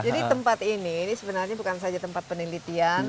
jadi tempat ini sebenarnya bukan saja tempat penelitian